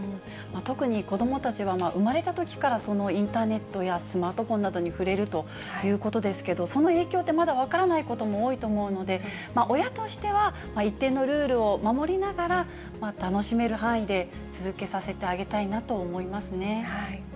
特に子どもたちは、生まれたときからそのインターネットやスマートフォンなどに触れるということですけれども、その影響って、まだ分からないことも多いと思うので、親としては一定のルールを守りながら、楽しめる範囲で続けさせてあげたいなと思いますね。